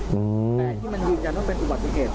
แต่ที่มันยืนยันว่าเป็นอุบัติเหตุ